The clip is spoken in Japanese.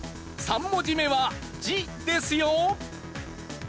３文字目は「じ」ですよ。